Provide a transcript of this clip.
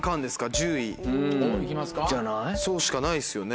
１０位そうしかないですよね。